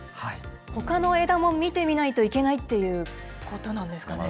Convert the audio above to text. ほかの枝も見てみないといけないっていうことなんですかね。